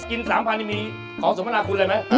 กิน๓พันมีของสมนาคุณอะไรไหม